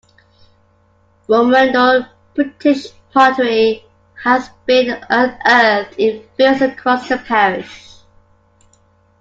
Romano-British pottery has been unearthed in fields across the parish.